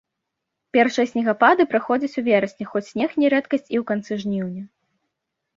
Першыя снегапады праходзяць у верасні, хоць снег не рэдкасць і ў канцы жніўня.